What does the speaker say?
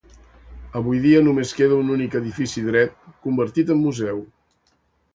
Avui dia només queda un únic edifici dret convertit en museu.